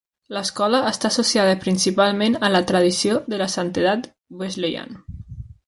L'escola està associada principalment a la tradició de la santedat Wesleyan.